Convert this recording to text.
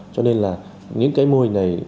cho nên là những cái mô hình này